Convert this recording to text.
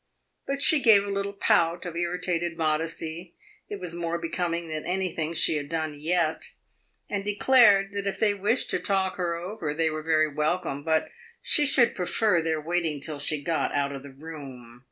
But she gave a little pout of irritated modesty it was more becoming than anything she had done yet and declared that if they wished to talk her over, they were very welcome; but she should prefer their waiting till she got out of the room.